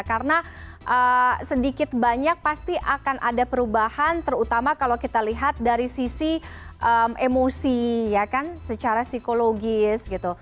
karena sedikit banyak pasti akan ada perubahan terutama kalau kita lihat dari sisi emosi ya kan secara psikologis gitu